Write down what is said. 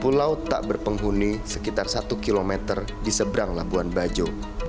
pulau tak berpenghuni sekitar satu km di seberang labuan bajo